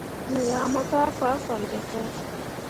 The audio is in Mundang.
Me yah mo kah fahfalle ɓe kah.